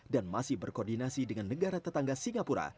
dan masih berkoordinasi dengan negara tetangga singapura